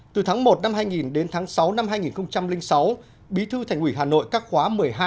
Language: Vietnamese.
tháng một năm hai nghìn đến tháng sáu năm hai nghìn sáu bí thư thành ủy hà nội các khóa một mươi hai một mươi ba một mươi bốn